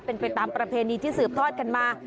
เป็นไปตามประเพณีที่สืบทอดกันมา